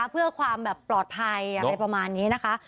เพื่อความแบบปลอดภัยอะไรประมาณนี้นะคะ